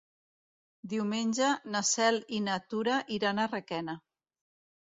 Diumenge na Cel i na Tura iran a Requena.